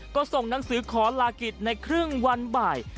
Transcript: ก็ส่งหนังสือขอลากิจในครึ่งวันบ่าย